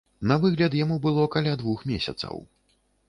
На выгляд яму было каля двух месяцаў.